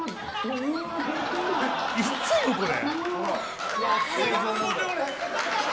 いつのよ、これ！